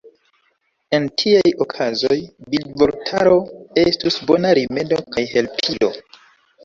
En tiaj okazoj, bildvortaro estus bona rimedo kaj helpilo.